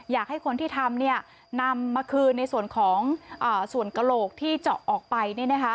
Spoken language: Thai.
อยากให้คนที่ทำนำมาคืนในส่วนของส่วนกระโหลกที่เจาะออกไป